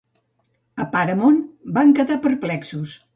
A Paramount van quedar perplexos.